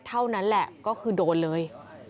เท่านั้นแหละก็คือโดนเลย